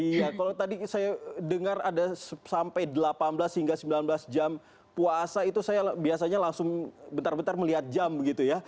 iya kalau tadi saya dengar ada sampai delapan belas hingga sembilan belas jam puasa itu saya biasanya langsung bentar bentar melihat jam begitu ya